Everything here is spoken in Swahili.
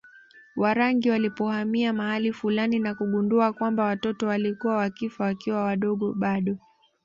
Warangi walipohamia mahali fulani na kugundua kwamba watoto walikuwa wakifa wakiwa bado wadogo